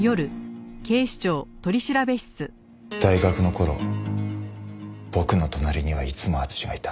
大学の頃僕の隣にはいつも敦がいた。